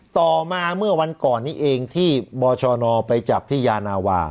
ต่อมาเมื่อวันก่อนนี้เองที่บชนไปจับที่ยานาวา